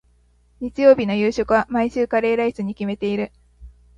日曜日の夕食は、毎週カレーライスに決めている。